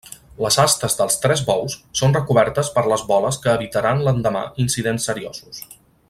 Les astes dels tres bous són recobertes per les boles que evitaran l'endemà incidents seriosos.